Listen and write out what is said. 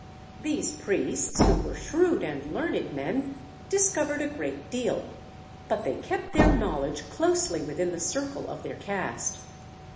These priests, who were shrewd and learned men, discovered a great deal, but they kept their knowledge closely within the circle of their caste.